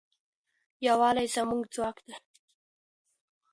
یووالی زموږ ځواک دی.